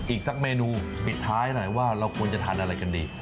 อีกสักเมนูปิดท้ายหน่อยว่าเราควรจะทานอะไรกันดี